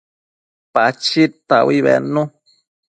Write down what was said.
Pachid taui bednu nid